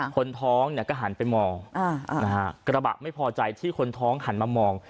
คนท้องเนี่ยก็หันไปมองกระบะไม่พอใจที่คนท้องหันมามอง